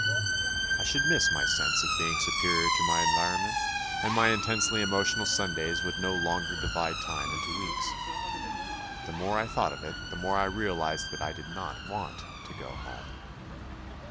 I should miss my sense of being superior to my environment, and my intensely emotional Sundays would no longer divide time into weeks. The more I thought of it, the more I realised that I did not want to go home.